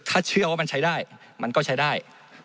ถ้าเชื่อว่ามันใช้ได้มันก็ใช้ได้